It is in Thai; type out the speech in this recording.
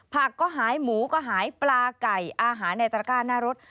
ก็หายหมูก็หายปลาไก่อาหารในตระก้าหน้ารถ